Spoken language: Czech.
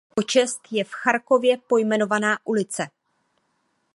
Na jeho počest je v Charkově pojmenována ulice.